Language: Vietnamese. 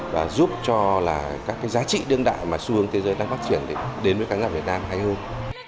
và giúp cho là các cái giá trị đương đại mà xu hướng thế giới đang phát triển đến với khán giả việt nam hay hơn